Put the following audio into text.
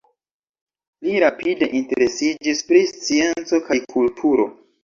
Li rapide interesiĝis pri scienco kaj kulturo.